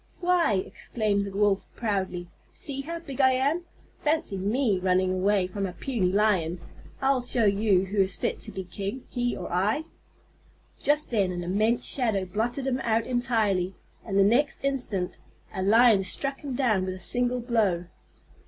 "Why," exclaimed the Wolf proudly, "see how big I am! Fancy me running away from a puny Lion! I'll show him who is fit to be king, he or I." Just then an immense shadow blotted him out entirely, and the next instant a Lion struck him down with a single blow.